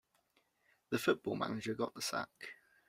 The football manager got the sack.